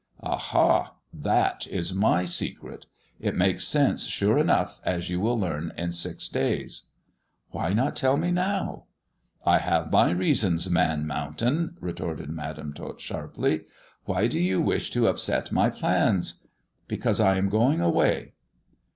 " Aha ! That is my secret. It makes sense sure enough as you will learn in six days." " Why not tell me now ]"" I have my reasons, Man Mountain," retorted Madam Tot sharply. " Why do you wish to upset my plans ?"" Because I am going away."